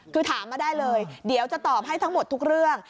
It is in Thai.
คือถามมาได้เลยเดี๋ยวจะตอบให้ทั้งหมดทุกเรื่อง